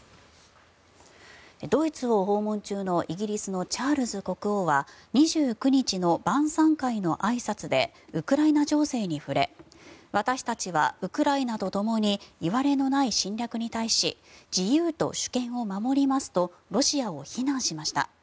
ドイツを訪問中のイギリスのチャールズ国王は２９日の晩さん会のあいさつでウクライナ情勢に触れ私たちはウクライナとともにいわれのない侵略に対し自由と主権を守りますとロシアを非難しました。